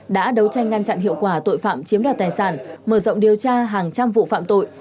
đã đấu tranh ngăn chặn hiệu quả tội phạm chiếm đoạt tài sản mở rộng điều tra hàng trăm vụ phạm tội